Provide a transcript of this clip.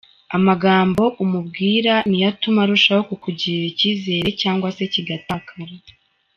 Amagambo umubwire ni yo atuma arushaho kukugirira icyizere cyangwa se kigatakara.